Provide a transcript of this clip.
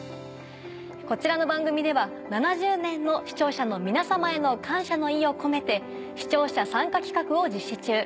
こちらの番組では７０年の視聴者の皆さまへの感謝の意を込めて視聴者参加企画を実施中。